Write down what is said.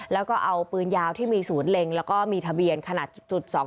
แล้วก็เอาปืนยาวที่มีศูนย์เล็งแล้วก็มีทะเบียนขนาดจุด๒๒